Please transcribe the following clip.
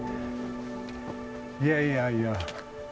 いやいやいや。